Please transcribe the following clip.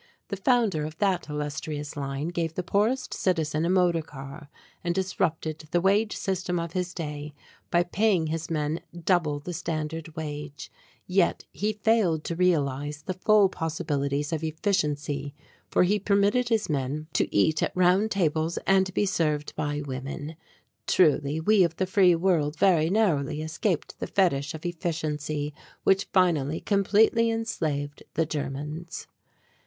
The founder of that illustrious line gave the poorest citizen a motor car and disrupted the wage system of his day by paying his men double the standard wage, yet he failed to realize the full possibilities of efficiency for he permitted his men to eat at round tables and be served by women! Truly we of the free world very narrowly escaped the fetish of efficiency which finally completely enslaved the Germans.